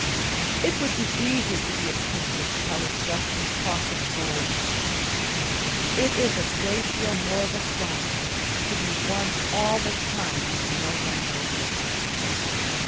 It would be easy to be a princess if I were dressed in cloth of gold; it is a great deal more of a triumph to be one all the time when no one knows it.